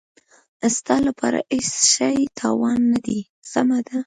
ستا لپاره هېڅ شی تاواني نه دی، سمه ده.